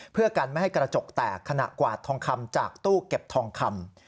เพื่อกันไม่ให้กระจกแตกขณะกวาดทองคำจากตู้เก็บทองคำ